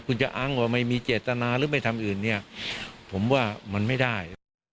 คุณจะอ้างว่าไม่มีเจตนาหรือไม่ทำอื่นเนี่ยผมว่ามันไม่ได้